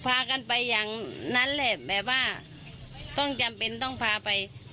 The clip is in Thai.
พากันไปอย่างนั้นแหละแบบว่าต้องจำเป็นต้องพาไป